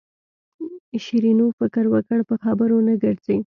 شیرینو فکر وکړ په خبرو نه ګرځي.